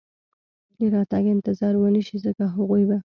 د راتګ انتظار و نه شي، ځکه هغوی به.